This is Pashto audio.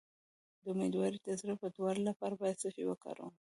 د امیدوارۍ د زړه بدوالي لپاره باید څه شی وکاروم؟